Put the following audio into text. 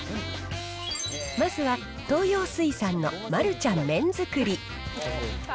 まずは東洋水産のマルちゃん麺づくり。